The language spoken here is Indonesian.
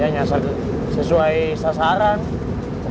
rasanya bisa kepala brahm